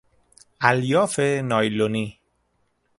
الیاف نایلونی